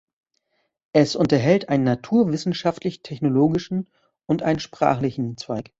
Es unterhält einen naturwissenschaftlich-technologischen und einen sprachlichen Zweig.